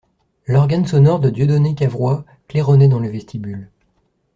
L'organe sonore de Dieudonné Cavrois claironnait dans le vestibule.